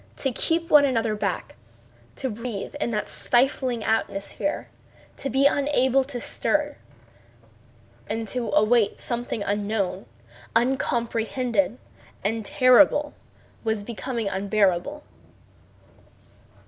To keep one another back, to breathe in that stifling atmosphere, to be unable to stir, and to await something unknown, uncomprehended, and terrible, was becoming unbearable.